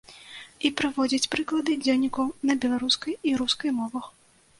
І прыводзіць прыклады дзённікаў на беларускай і рускай мовах.